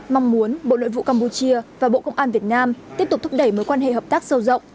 mong muốn bộ nội vụ campuchia và bộ công an việt nam tiếp tục thúc đẩy mối quan hệ hợp tác sâu rộng